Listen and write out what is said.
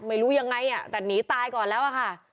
ไม่รู้ยังไงแต่หนีตายก่อนแล้วอะค่ะ